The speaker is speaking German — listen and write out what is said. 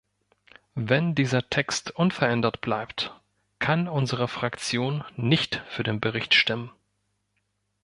Wenn dieser Text unverändert bleibt, kann unsere Fraktion nicht für den Bericht stimmen.